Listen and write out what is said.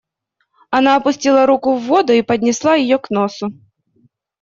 Она опустила руку в воду и поднесла ее к носу.